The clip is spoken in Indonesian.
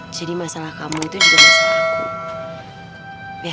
jadi masalah kamu itu juga masalah aku